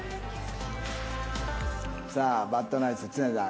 さあバッドナイス常田